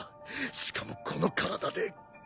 しかもこの体で